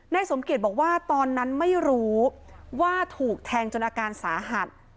สมเกียจบอกว่าตอนนั้นไม่รู้ว่าถูกแทงจนอาการสาหัส